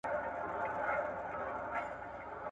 د پښتو د پرمختګ لپاره باید ټولنیزې شبکې وکارول سي.